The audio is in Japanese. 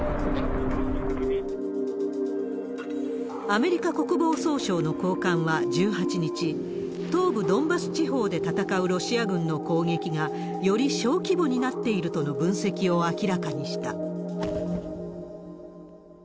アメリカ国防総省の高官は１８日、東部ドンバス地方で戦うロシア軍の攻撃が、より小規模になっているとの分析を明らかにした。